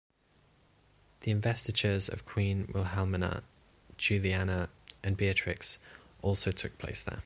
The investitures of Queen Wilhelmina, Juliana and Beatrix also took place there.